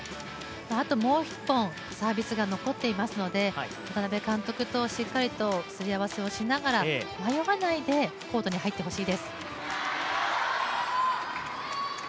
あともう１本、サービスが残っていますので渡辺監督としっかりとすりあわせをしながら迷わないでコートに入ってほしいです。